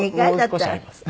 もう少しあります。